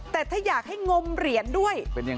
แต่ถ้าอยากให้งมเหรียญด้วย